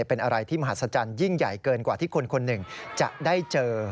เป็นอะไรที่มหัศจรรย์ยิ่งใหญ่เกินกว่าที่คนคนหนึ่งจะได้เจอ